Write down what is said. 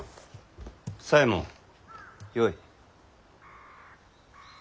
左衛門よい。